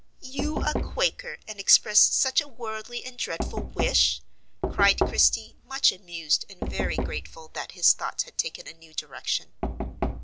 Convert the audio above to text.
"You a Quaker, and express such a worldly and dreadful wish?" cried Christie, much amused, and very grateful that his thoughts had taken a new direction.